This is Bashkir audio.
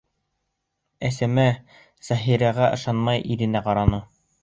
— Әсмә, Заһирға ышанмай, иренә ҡараны.